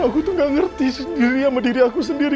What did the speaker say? aku tuh gak ngerti sendiri sama diri aku sendiri